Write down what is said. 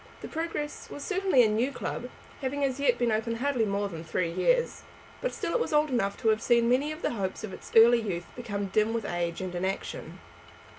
The Progress was certainly a new club, having as yet been open hardly more than three years; but still it was old enough to have seen many of the hopes of its early youth become dim with age and inaction.